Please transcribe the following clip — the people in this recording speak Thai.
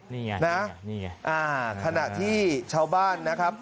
นี่ไงนะนี่ไงขณะที่ชาวบ้านนะครับ